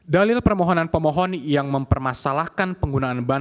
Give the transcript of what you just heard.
dalil permohonan pemohon yang mempermasalahkan penggunaan bahan